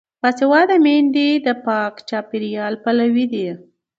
باسواده میندې د پاک چاپیریال پلوي دي.